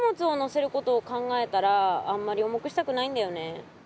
ことを考えたらあんまり重くしたくないんだよね。